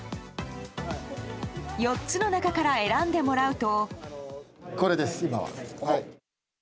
４つの中から選んでもらうと。